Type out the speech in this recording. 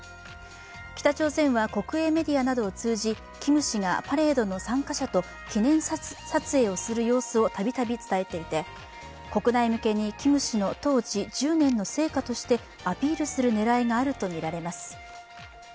北朝鮮は国営メディアなどを通じ、キム氏がパレードの参加者と記念撮影をする様子を度々、伝えていて国内向けにキム氏の統治１０年の成果としてアピールする狙いがあるとみられます。